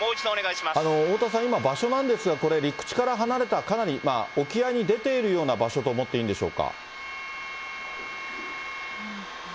大田さん、今、場所なんですが、これ陸地から離れたかなり沖合に出ているような場所と思っていいんでしょうか？